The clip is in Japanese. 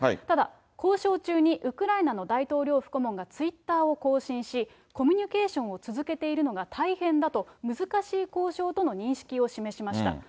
ただ、交渉中にウクライナの大統領府顧問がツイッターを更新し、コミュニケーションを続けているのが大変だと、難しい交渉との認識を示しました。